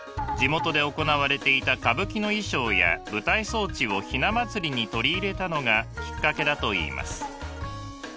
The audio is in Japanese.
地元で行われていた歌舞伎の衣装や舞台装置を雛祭りに取り入れたのがきっかけだといいます。